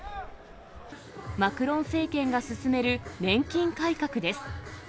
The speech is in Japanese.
マクロン政権が進める年金改革です。